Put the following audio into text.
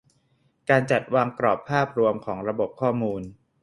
การจัดวางกรอบภาพรวมของระบบข้อมูล